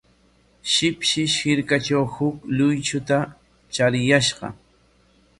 Shipshish hirkatraw huk luychuta chariyashqa.